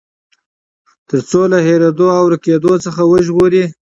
تر څو له هېريدو او ورکېدو څخه وژغوري.